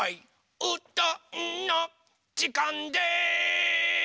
「うどんのじかんです！」